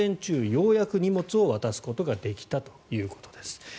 ようやく荷物を渡すことができたということです。